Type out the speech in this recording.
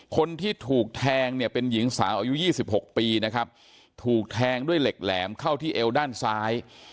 คนที่ถูกแทงเนี่ยเป็นหญิงสาวอายุ๒๖ปีนะครับถูกแทงด้วยเหล็กแหลมเข้าที่เอวด้านซ้าย